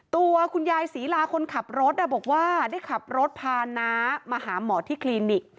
ตัวคุณยายศรีลาคนขับรถบอกว่าได้ขับรถพาน้ามาหาหมอที่คลินิก